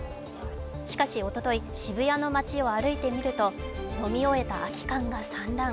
しかし、おととい、渋谷の街を歩いてみると、飲み終えた空き缶が散乱。